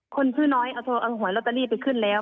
คนชื่อน้อยเอาหวยลอตเตอรี่ไปขึ้นแล้ว